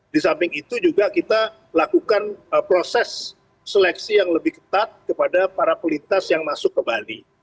di samping itu juga kita lakukan proses seleksi yang lebih ketat kepada para pelintas yang masuk ke bali